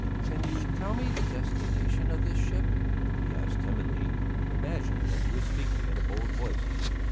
"Can you tell me the destination of this ship?" he asked timidly, imagining that he was speaking in a bold voice.